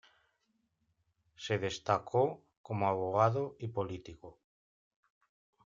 Se destacó como abogado y político.